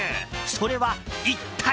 それは一体？